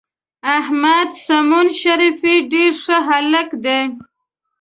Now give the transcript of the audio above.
احمد سمون شریفي ډېر ښه هلک دی.